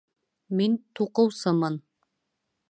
Мин туҡыусымын